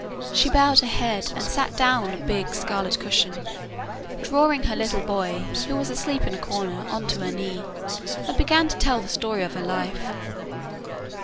She bowed her head and sat down on a big scarlet cushion, drawing her little boy, who was asleep in a corner, on to her knee, and began to tell the story of her life.